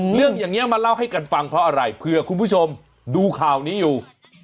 อย่างนี้มาเล่าให้กันฟังเพราะอะไรเผื่อคุณผู้ชมดูข่าวนี้อยู่